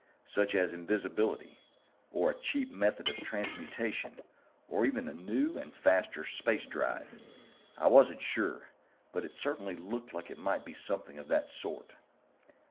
"Such as invisibility, or a cheap method of transmutation, or even a new and faster space drive. I wasn't sure, but it certainly looked like it might be something of that sort."